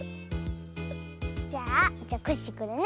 じゃあじゃコッシーこれね。